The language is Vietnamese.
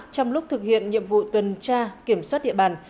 trong lúc thực hiện nhiệm vụ tuần tra kiểm soát địa bàn